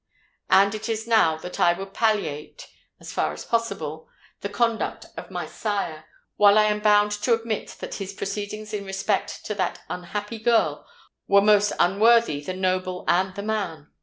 And it is now that I would palliate—as far as possible—the conduct of my sire, while I am bound to admit that his proceedings in respect to that unhappy girl were most unworthy the noble and the man.